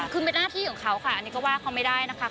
คือเป็นหน้าที่ของเขาค่ะอันนี้ก็ว่าเขาไม่ได้นะคะ